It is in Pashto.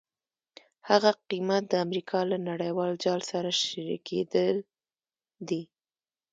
هغه قیمت د امریکا له نړیوال جال سره شریکېدل دي.